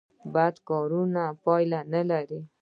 بد کارونه پایله نلري